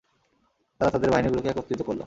তারা তাদের বাহিনীগুলোকে একত্রিত করল।